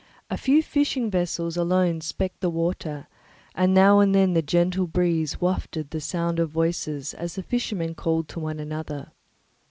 A few fishing vessels alone specked the water, and now and then the gentle breeze wafted the sound of voices as the fishermen called to one another.